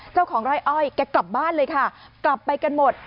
เจ้าของไร่อ้อยแกกลับบ้านเลยค่ะกลับไปกันหมด